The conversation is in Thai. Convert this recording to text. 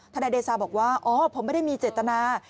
นายเดชาบอกว่าอ๋อผมไม่ได้มีเจตนา